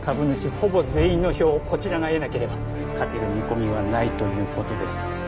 ほぼ全員の票をこちらが得なければ勝てる見込みはないということです